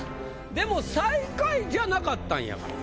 でも最下位じゃなかったんやから。